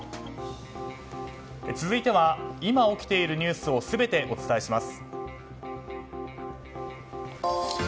続いては今起きているニュースを全てお伝えします。